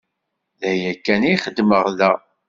D aya kan i xeddmeɣ da.